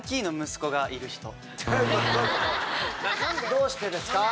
どうしてですか？